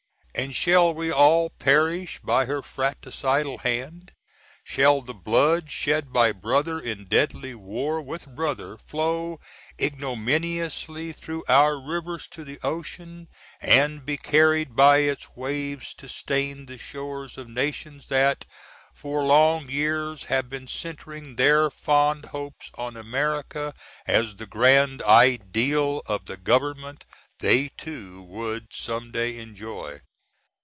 And shall we all perish by her fratricidal hand? Shall the blood, shed by brother in deadly war with brother, flow ignominiously through our rivers to the ocean & be carried by its waves to stain the shores of Nations that for long years have been centring their fond hopes on America as the grand ideal of the gov. they too would some day enjoy?